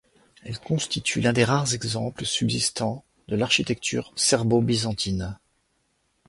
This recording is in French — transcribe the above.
Elle constitue l'un des rares exemples subsistant de l'architecture serbo-byzantine.